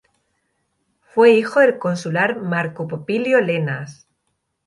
Fue hijo del consular Marco Popilio Lenas.